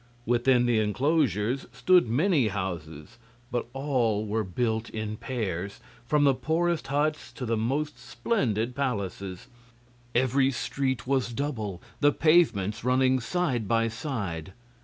Within the inclosures stood many houses, but all were built in pairs, from the poorest huts to the most splendid palaces. Every street was double, the pavements running side by side.